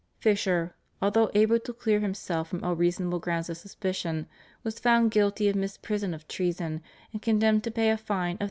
Fisher, although able to clear himself from all reasonable grounds of suspicion, was found guilty of misprision of treason and condemned to pay a fine of £300.